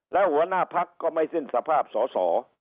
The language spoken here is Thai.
แล้วหัวหน้าพักก็ไม่สิ้นสภาพสอสอ